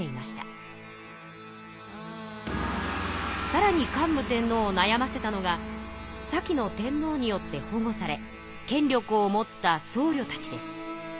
さらに桓武天皇をなやませたのが先の天皇によって保護され権力を持ったそうりょたちです。